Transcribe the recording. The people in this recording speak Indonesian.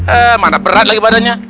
eh mana berat lagi badannya